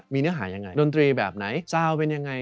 มีเนื้อหายังไงดนตรีแบบไหนซาวเป็นยังไง